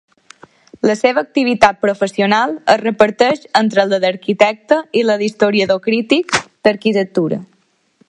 La seva activitat professional es reparteix entre la d'arquitecte i la d'historiador i crític d'arquitectura.